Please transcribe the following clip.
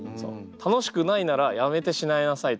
楽しくないならやめてしまいなさいと。